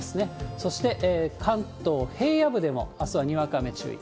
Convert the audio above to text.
そして関東平野部でも、あすはにわか雨注意。